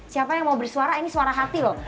siapa yang mau beri suara ini suara hati loh